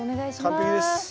完璧です。